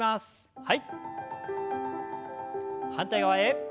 はい。